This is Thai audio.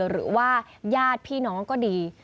หรือว่าญาติพี่น้องก็ดี